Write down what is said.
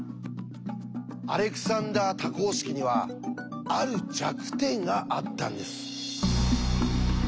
アレクサンダー多項式にはある弱点があったんです。